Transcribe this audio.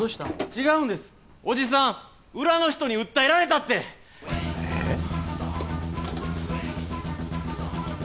違うんですおじさん裏の人に訴えられたってえっ？